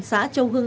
xã châu hưng